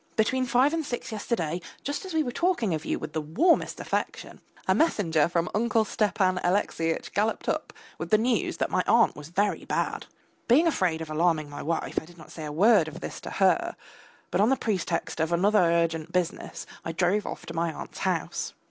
Between five and six yesterday, just as we were talking of you with the warmest affection, a messenger from Uncle Stepan Alexeyitch galloped up with the news that my aunt was very bad. Being afraid of alarming my wife, I did not say a word of this to her, but on the pretext of other urgent business I drove off to my aunt's house.